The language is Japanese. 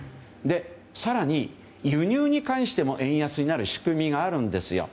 更に輸入に関しても円安になる仕組みがあるんです。